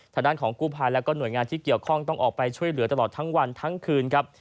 ทางด้านของกู้ภัยแล้วก็หน่วยงานที่เกี่ยวข้องต้องออกไปช่วยเหลือตลอดทั้งวันทั้งคืนครับ